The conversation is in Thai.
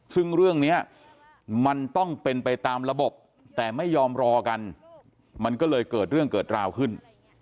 ซึ่งเรื่องนี้มันต้องเป็นไปตามระบบแต่ไม่ยอมรอกันมันก็เลยเกิดเรื่องเกิดราวขึ้น